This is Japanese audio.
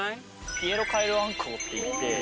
ピエロカエルアンコウっていって。